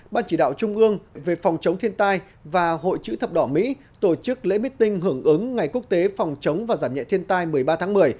ban chỉ đạo trung ương về phòng chống thiên tai và hội chữ thập đỏ mỹ tổ chức lễ meeting hưởng ứng ngày quốc tế phòng chống và giảm nhẹ thiên tai một mươi ba tháng một mươi